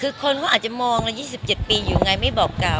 คือคนเขาอาจจะมองละ๒๗ปีอยู่ไงไม่บอกกล่าว